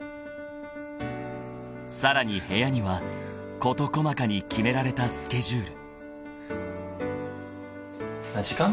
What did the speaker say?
［さらに部屋には事細かに決められたスケジュール］